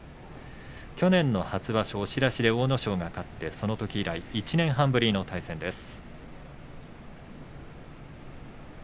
去年の初場所、押し出しで阿武咲が勝って、そのとき以来１年半ぶりの対戦です。